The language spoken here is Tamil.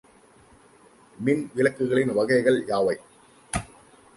மின்விளக்குகளின் வகைகள் யாவை?